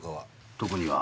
特には。